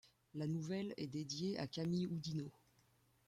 La nouvelle est dédiée à Camille Oudinot.